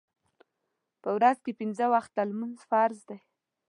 په ورځ کې پنځه وخته لمونځ فرض دی